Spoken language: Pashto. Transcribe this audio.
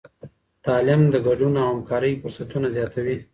تعلیم د ګډون او همکارۍ فرصتونه زیاتوي.